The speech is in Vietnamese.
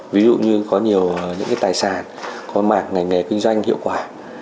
ví dụ như có nhiều tài sản có mạng nghề kinh doanh hiệu quả